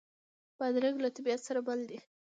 بادرنګ له طبیعت سره مل دی.